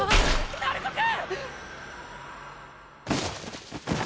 鳴子くん！